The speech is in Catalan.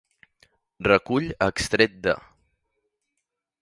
Recull extret de: